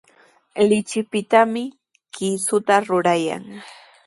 Lichipitami kiisuta rurayan.